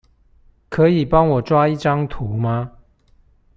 可以幫我抓一張圖嗎？